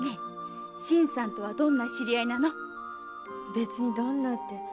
別にどんなって。